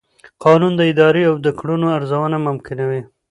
قانون د ادارې د کړنو ارزونه ممکنوي.